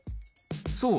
そう。